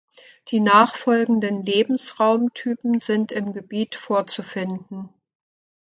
Die nachfolgenden Lebensraumtypen sind im Gebiet vorzufinden.